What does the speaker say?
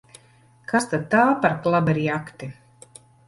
Kas tad tā par klaberjakti!